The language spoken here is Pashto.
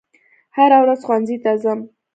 هره ورځ ښوونځي ته ځم